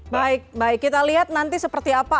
baik baik kita lihat nanti seperti apa